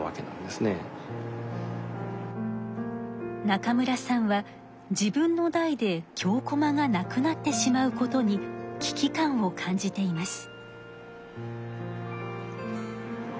中村さんは自分の代で京こまがなくなってしまうことに危機感を感じています。